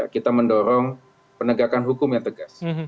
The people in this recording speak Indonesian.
kita mendorong penegakan hukum yang tegas